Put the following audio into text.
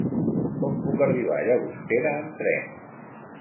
Com puc arribar a Llagostera amb tren?